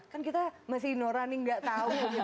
kan kita masih noranin gak tahu gitu